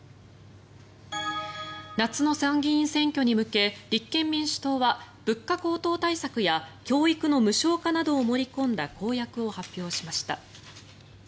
夏の参議院選挙に向け立憲民主党は物価高騰対策や教育の無償化などを盛り込んだ公約を発表しました。